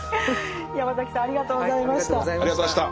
ヤマザキさんありがとうございました。